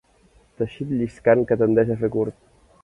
Teixit lliscant que tendeix a fer curt.